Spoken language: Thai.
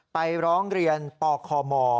ไปร้องเรียนปคม